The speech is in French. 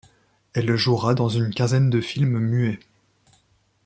Elle jouera dans une quinzaine de films muets.